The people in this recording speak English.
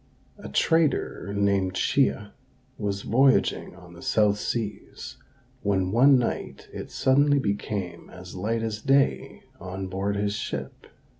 A trader named Chia was voyaging on the south seas, when one night it suddenly became as light as day on board his ship.